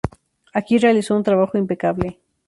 Aquí realizó un trabajo impecable.